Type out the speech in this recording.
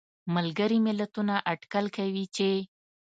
ملګري ملتونه اټکل کوي چې